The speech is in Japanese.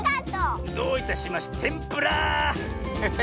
どういたしましてんぷら！